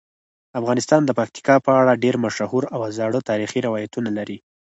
افغانستان د پکتیکا په اړه ډیر مشهور او زاړه تاریخی روایتونه لري.